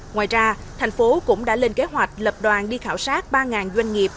ngoài ra thành phố cũng đã lên kế hoạch lập đoàn đi khảo sát ba doanh nghiệp